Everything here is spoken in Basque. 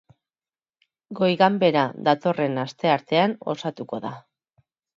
Goi-ganbera datorren asteartean osatuko da.